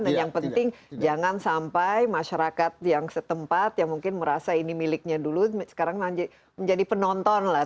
nah yang penting jangan sampai masyarakat yang setempat yang mungkin merasa ini miliknya dulu sekarang menjadi penonton lah